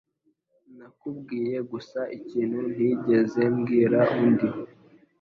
Nakubwiye gusa ikintu ntigeze mbwira undi